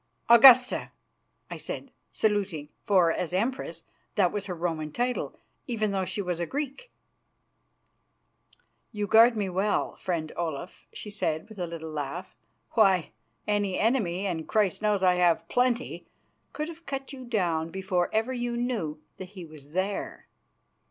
"Augusta!" I said, saluting, for, as Empress, that was her Roman title, even though she was a Greek. "You guard me well, friend Olaf," she said, with a little laugh. "Why, any enemy, and Christ knows I have plenty, could have cut you down before ever you knew that he was there."